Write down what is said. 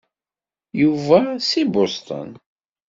Yuba si Boston.